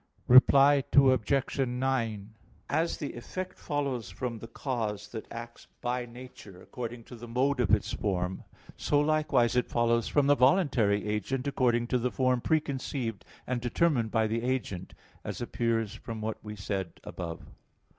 Reply Obj. 9: As the effect follows from the cause that acts by nature, according to the mode of its form, so likewise it follows from the voluntary agent, according to the form preconceived and determined by the agent, as appears from what was said above (Q.